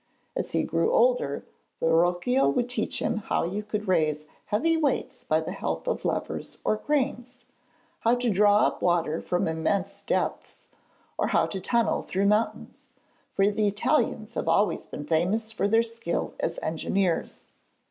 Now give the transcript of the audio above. As he grew older, Verrocchio would teach him how you could raise heavy weights by the help of levers or cranes, how to draw up water from immense depths, or how to tunnel through mountains for the Italians have always been famous for their skill as engineers.